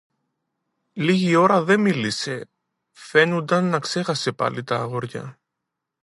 Λίγη ώρα δε μίλησε, φαίνουνταν να ξέχασε πάλι τ' αγόρια